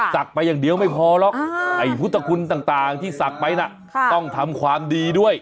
ไปอย่างเดียวไม่พอหรอกไอ้พุทธคุณต่างที่ศักดิ์ไปนะต้องทำความดีด้วย